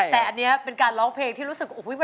แต่อันนี้เป็นการร้องเพลงที่รู้สึกว่า